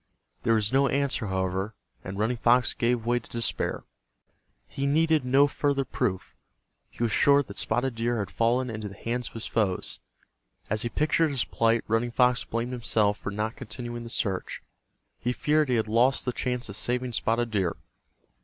There was no answer, however, and Running Fox gave way to despair. He needed no further proof. He was sure that Spotted Deer had fallen into the hands of his foes. As he pictured his plight, Running Fox blamed himself for not continuing the search. He feared he had lost the chance of saving Spotted Deer.